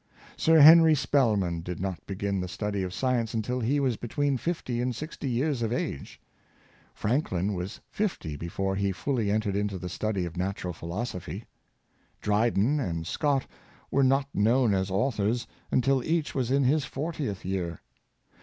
Sir Henry Spelman did not begin the study of science until he was between fifty and sixt}^ 3^ears of age. Franklin was fifty before he fully entered upon the study of Natural Philosophy. Dryden and Scott were not known as authors until each was in his fortieth year.